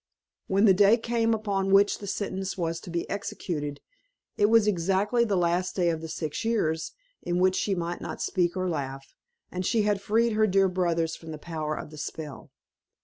When the day came upon which the sentence was to be executed, it was exactly the last day of the six years, in which she might not speak or laugh; and she had freed her dear brothers from the power of the spell.